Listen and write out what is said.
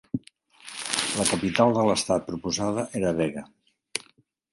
La capital de l'estat proposada era Bega.